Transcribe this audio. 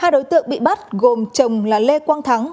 hai đối tượng bị bắt gồm chồng là lê quang thắng